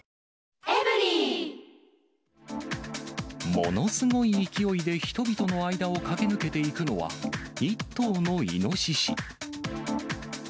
ものすごい勢いで人々の間を駆け抜けていくのは、１頭のイノシシ。